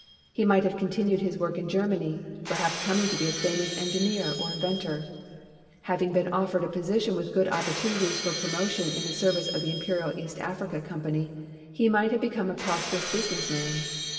He might have continued his work in Germany, perhaps coming to be a famous engineer or inventor. Having been offered a position with good opportunities for pro motion in the service of the Imperial East Africa Company, he might have become a prosperous business man.